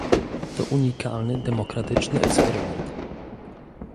To unikalny demokratyczny eksperyment